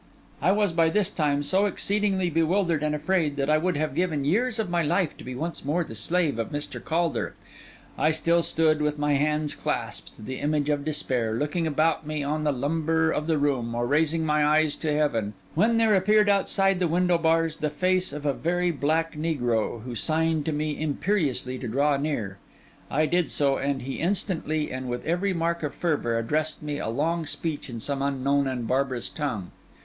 I was by this time so exceedingly bewildered and afraid, that I would have given years of my life to be once more the slave of Mr. Caulder. I still stood, with my hands clasped, the image of despair, looking about me on the lumber of the room or raising my eyes to heaven; when there appeared outside the window bars, the face of a very black negro, who signed to me imperiously to draw near. I did so, and he instantly, and with every mark of fervour, addressed me a long speech in some unknown and barbarous tongue.